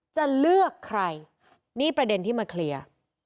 จะเลือกใครนี่ประเด็นที่มาเคลียร์